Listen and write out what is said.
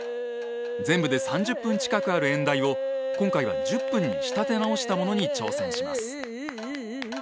全部で３０分近くある演題を今回は１０分に仕立て直したものに挑戦します。